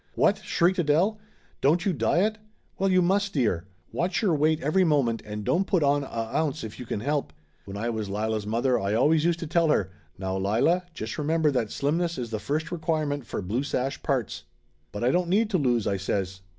"What!" shrieked Adele. "Don't you diet? Well, you must, dear! Watch your weight every moment, and don't put on a ounce if you can help. When I was Lila's mother I always used to tell her 'Now, Lila, just remember that slimness is the first requirement for blue sash parts.' ' "But I don't need to lose !" I says.